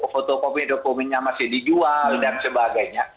fotokopi dokumennya masih dijual dan sebagainya